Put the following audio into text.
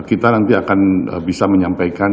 kita nanti akan bisa menyampaikan